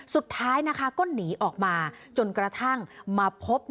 สุดท้ายนะคะก็หนีออกมาจนกระทั่งมาพบ